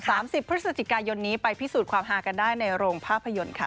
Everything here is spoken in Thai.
สิบพฤศจิกายนนี้ไปพิสูจน์ความฮากันได้ในโรงภาพยนตร์ค่ะ